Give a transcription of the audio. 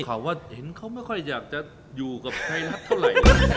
ข่าวว่าเห็นเขาไม่ค่อยอยากจะอยู่กับไทยรัฐเท่าไหร่